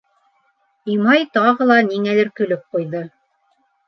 — Имай тағы ла ниңәлер көлөп ҡуйҙы.